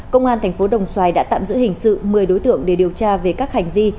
công an tp đồng xoài đã tạm giữ hình sự một mươi đối tượng để điều tra về các hành vi